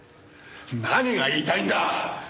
何が言いたいんだ？